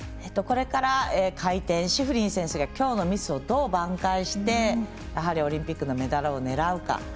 これから回転のシフリン選手が今日のミスをどう挽回してオリンピックのメダルを狙うか。